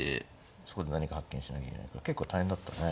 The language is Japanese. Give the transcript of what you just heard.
そこで何か発見しなきゃいけないから結構大変だったね。